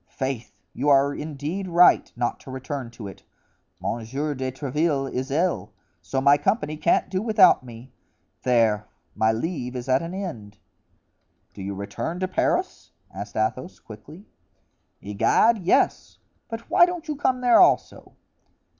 Faith, you are indeed right not to return to it. Monsieur de Tréville is ill, so my company can't do without me; there! my leave is at an end!" "Do you return to Paris?" asked Athos, quickly. "Egad! yes; but why don't you come there also?"